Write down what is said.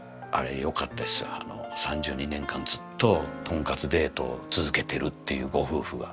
あの３２年間ずっととんかつデートを続けてるっていうご夫婦が。